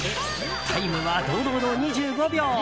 タイムは堂々の２５秒。